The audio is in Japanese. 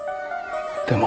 でも。